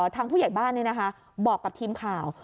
ทางผู้ใหญ่บ้านบอกกับทีมข่าว